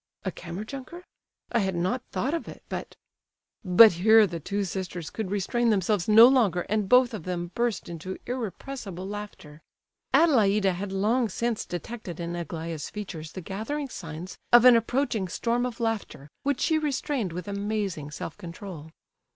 "A Kammer junker? I had not thought of it, but—" But here the two sisters could restrain themselves no longer, and both of them burst into irrepressible laughter. Adelaida had long since detected in Aglaya's features the gathering signs of an approaching storm of laughter, which she restrained with amazing self control.